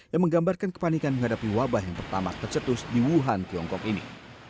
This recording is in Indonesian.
yang menggambarkan kepanikan menghadapi wabah yang pertama tercetus di wuhan tiongkok ini